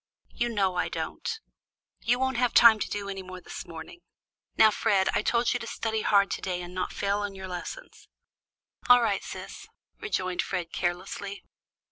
"You know I don't. You won't have time to do any more this morning. Now, Fred, I told you to study hard to day and not fail in your lessons." "All right sis," rejoined Fred carelessly.